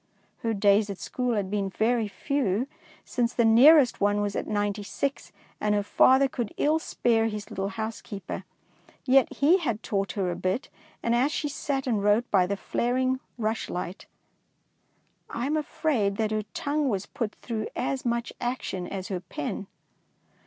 Her days at school had been very few, since the nearest one was at Ninety six, and her father could ill spare his little housekeeper. Yet he had taught her a bit, and as she sat and wrote by the flaring rush light, I am afraid that her tongue was put through as much action as her pen.